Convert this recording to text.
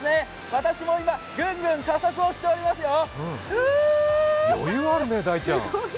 私も今、ぐんぐん加速をしておりますよ。